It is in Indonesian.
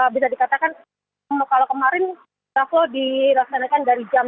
bisa dikatakan kalau kemarin traflow dilaksanakan dari jam dua